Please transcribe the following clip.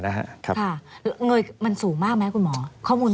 มันสูงมากไหมคุณหมอ